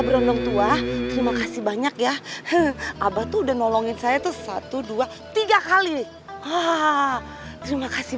berantem tua terima kasih banyak ya he he abad udah nolongin saya tuh satu ratus dua puluh tiga kali haa terima kasih